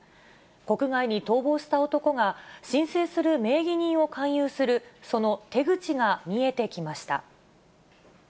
国外に逃亡した男が、申請する名義人を勧誘する、その手口が見えてきました。